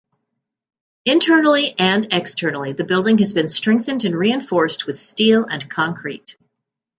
Internally and externally the building has been strengthened with reinforced steel and concrete.